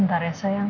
ngelapure semua orang